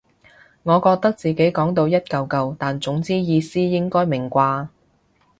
我覺得自己講到一嚿嚿但總之意思應該明啩